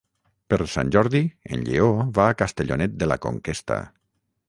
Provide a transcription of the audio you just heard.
Per Sant Jordi en Lleó va a Castellonet de la Conquesta.